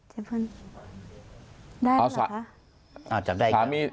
เจ๊เปิ้ลได้แล้วคะ